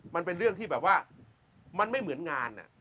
มันเป็นเรื่องที่แบบว่ามันไม่เหมือนงาน